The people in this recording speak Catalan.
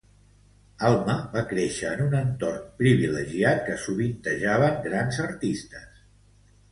Alma va créixer en un entorn privilegiat que sovintejaven grans artistes.